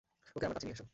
ওকে আমার কাছে নিয়ে আসো!